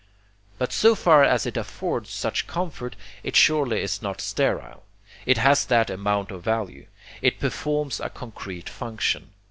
But so far as it affords such comfort, it surely is not sterile; it has that amount of value; it performs a concrete function.